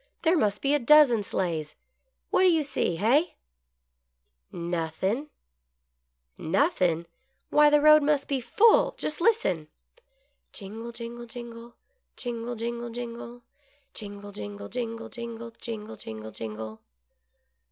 There must be a dozen sleighs. What do you see — hey ?"" Nothin'. "" Nothin'. Why, the road must be full. Just listen." Jingle, jingle, jingle. Jingle, jingle, jingle ; Jingle, jingle, jingle, jifigle, Jmgle, jingle, jingle